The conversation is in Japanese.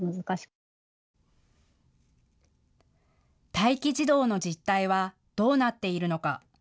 待機児童の実態はどうなっているのか。